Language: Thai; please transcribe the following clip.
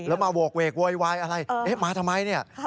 แล้วมาโหกเวกโวยวายอะไรเอ๊ะมาทำไมเนี่ย